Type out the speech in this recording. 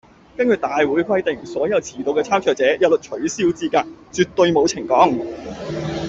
根據大會規定，所有遲到嘅參賽者，一律取消資格，絕對冇情講